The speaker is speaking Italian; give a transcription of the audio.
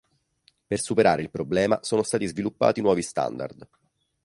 Per superare il problema sono stati sviluppati nuovi standard.